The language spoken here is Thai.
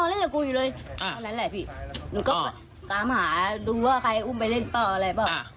ตั้งแต่เช้าก่อนนะเราไปทิ้งช่วง